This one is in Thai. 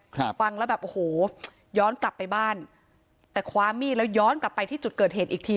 ฟังแล้วแบบโอ้โหย้อนกลับไปบ้านแต่คว้ามีดแล้วย้อนกลับไปที่จุดเกิดเหตุอีกที